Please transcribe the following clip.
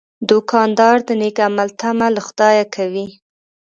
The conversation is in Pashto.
دوکاندار د نیک عمل تمه له خدایه کوي.